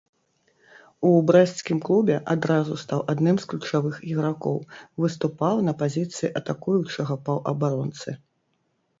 У брэсцкім клубе адразу стаў адным з ключавых ігракоў, выступаў на пазіцыі атакуючага паўабаронцы.